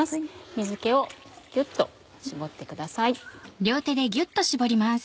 水気をぎゅっと絞ってください。